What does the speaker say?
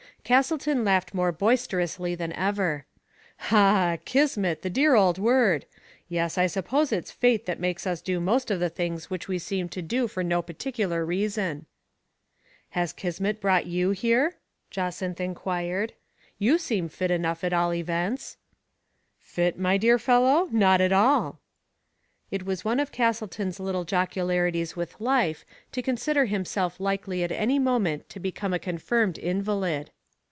Castleton laughed more boisterously than ever. "Ah! Kismet, the dear old word. Yes, I sup pose it's fate that makes us do most of the things which we seem to do for no particular reason." " Has Kismet brought you here ?" Jacynth inquired. " You seem fit enough at all events.'* " Fit, my dear fellow? not at all." It was one of Castleton's little jocularities with life to consider himself likely at any moment to become a confirmed invalid.